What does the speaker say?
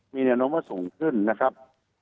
มีแนวโน้มว่าสูงขึ้นนะครับ